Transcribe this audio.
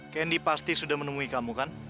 kendi pasti sudah menemui kamu kan